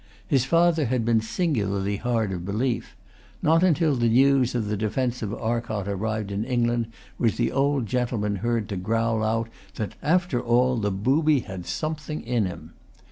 His father had been singularly hard of belief. Not until the news of the defence of Arcot arrived in England was the old gentleman heard to growl out that, after all, the booby had something in him.